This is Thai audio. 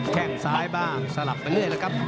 แค่งซ้ายบ้างสลับไปเรื่อยแล้วครับ